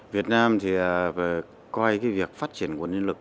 việt nam thì coi cái việc phát triển nguồn nhân lực